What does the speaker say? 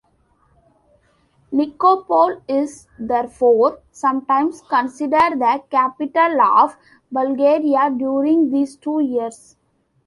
Nikopol is therefore sometimes considered the capital of Bulgaria during these two years.